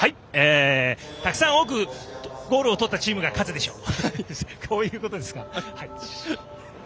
たくさん多くゴールを取ったチームが勝つでしょう！